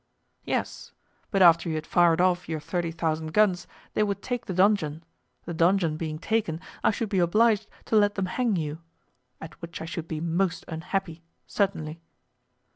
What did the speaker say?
"Yes, but after you had fired off your thirty thousand guns they would take the donjon; the donjon being taken, I should be obliged to let them hang you—at which I should be most unhappy, certainly."